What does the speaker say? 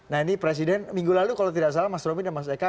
nah ini presiden minggu lalu kalau tidak salah mas romy dan mas eka